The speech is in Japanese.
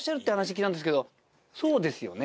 そうですよね？